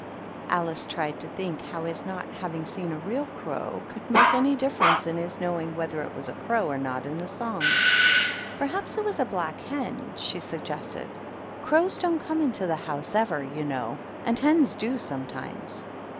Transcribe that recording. Alice tried to think how hie not having seen a real crow could make any difference in his know ing whether it was a crow or not in the song. " Perhaps it was a black hen," she suggested. " Crows don t come into the house ever you know, and hens do, sometimes."